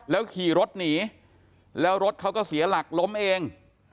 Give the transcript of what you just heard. ขี่รถหนีแล้วรถเขาก็เสียหลักล้มเอง